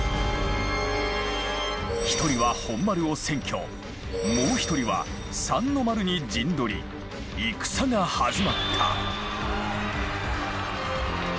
１人は本丸を占拠もう１人は三の丸に陣取り戦が始まった。